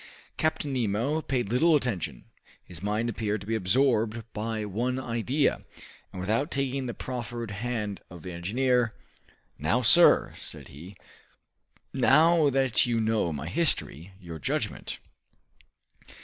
But Captain Nemo paid little attention; his mind appeared to be absorbed by one idea, and without taking the proffered hand of the engineer, "Now, sir," said he, "now that you know my history, your judgment!"